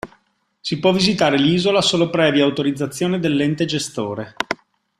Si può visitare l'isola solo previa autorizzazione dell'ente gestore.